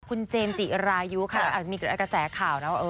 คุณเจมส์จิรายุค่ะอาจจะมีกระแสข่าวนะว่า